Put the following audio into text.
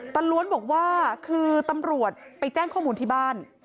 ล้วนบอกว่าคือตำรวจไปแจ้งข้อมูลที่บ้าน